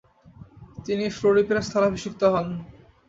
তিনি ফ্রোরিপের স্থলাভিষিক্ত হন।